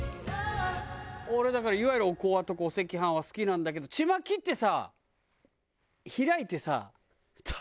俺だからいわゆるおこわとかお赤飯は好きなんだけどちまきってさ。